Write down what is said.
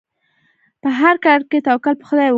په هر کار کې توکل په خدای وکړئ.